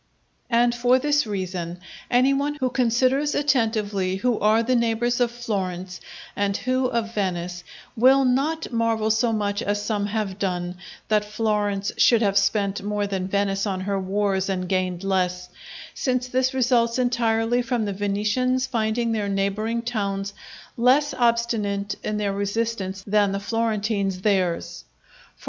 And for this reason any one who considers attentively who are the neighbours of Florence, and who of Venice, will not marvel so much as some have done, that Florence should have spent more than Venice on her wars and gained less; since this results entirely from the Venetians finding their neighbouring towns less obstinate in their resistance than the Florentines theirs.